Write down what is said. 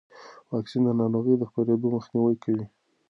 واکسن د ناروغۍ د خپرېدو مخنیوی کوي.